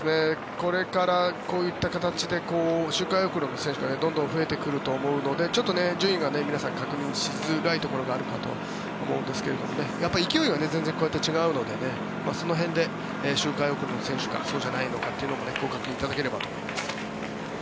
これからこういった形で周回遅れの選手がどんどん増えてくると思うのでちょっと順位が皆さん、確認しづらいところがあるかと思いますが勢いが全然こうやって違うのでその辺で周回遅れの選手かそうじゃないのかをご確認いただければと思います。